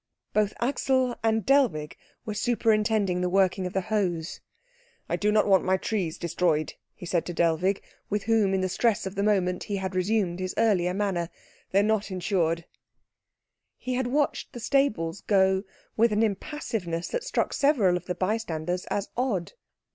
Both Axel and Dellwig were superintending the working of the hose. "I do not want my trees destroyed," he said to Dellwig, with whom in the stress of the moment he had resumed his earlier manner; "they are not insured." He had watched the stables go with an impassiveness that struck several of the bystanders as odd.